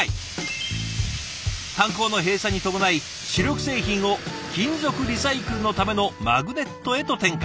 炭鉱の閉鎖に伴い主力製品を金属リサイクルのためのマグネットへと転換。